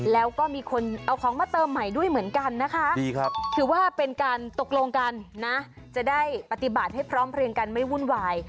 แล้วก็มีคนเอาของมาเติมใหม่ด้วยเหมือนกันนะคะถือว่าเป็นการตกลงกันนะจะได้ปฏิบัติให้พร้อมเพลียงกันไม่วุ่นวาย